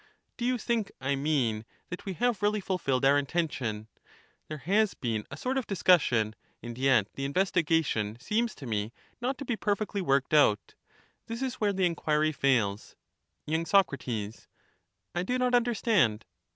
Do you think, I mean, that we have really fulfilled But the our intention ?— ^There has been a sort of discussion, and yet ,^^™^^ the investigation seems to me not to be perfectly worked reaUyat out : this is where the enquiry fails. ^°^' y. Soc, I do not understand.